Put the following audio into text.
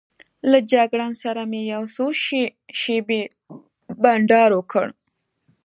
له جګړن سره مې یو څو شېبې بانډار وکړ.